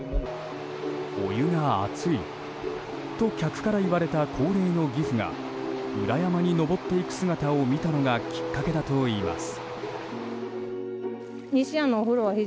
お湯が熱いと客から言われた高齢の義父が裏山に上っていく姿を見たのがきっかけだといいます。